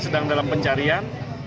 sedang dalam pencarian